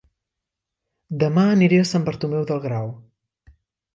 Dema aniré a Sant Bartomeu del Grau